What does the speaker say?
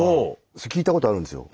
それ聞いたことあるんですよ。